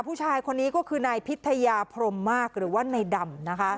ผู้ชายคนนี้ก็คือนายพิทยาพรมมากหรือว่าในดำนะคะ